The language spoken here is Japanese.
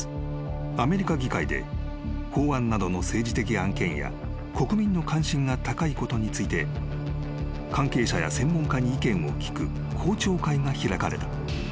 アメリカ議会で法案などの政治的案件や国民の関心が高いことについて関係者や専門家に意見を聴く公聴会が開かれた］